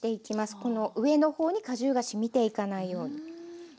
この上の方に果汁がしみていかないように。